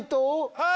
はい。